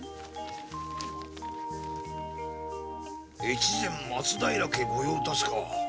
越前松平家御用達か。